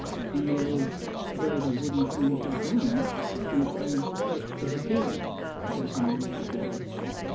"And there is where the wooden sign fell down, and its iron supports disappeared," said Tom reflectively.